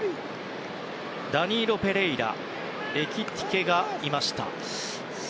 ダニーロ・ペレイラとエキティケがいました。